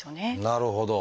なるほど。